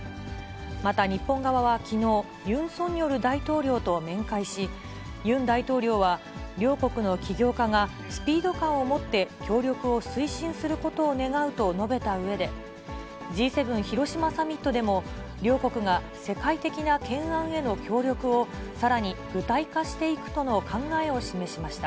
また日本側はきのう、ユン・ソンニョル大統領と面会し、ユン大統領は、両国の企業家が、スピード感を持って協力を推進することを願うと述べたうえで、Ｇ７広島サミットでも、両国が世界的な懸案への協力をさらに具体化していくとの考えを示しました。